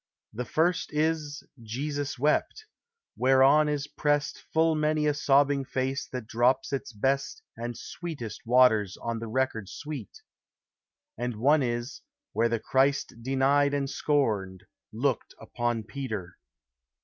The first is Jesus wept, whereon is prest Full many a sobbing face that drops its best And sweetest waters on the record sweet: And one is, where the Christ denied and scorned Looked upon Peter.